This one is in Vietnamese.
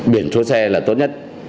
biển số xe là tốt nhất